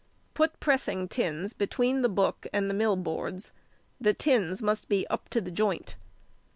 Put pressing tins between the book and the mill boards: the tins must be up to the joint.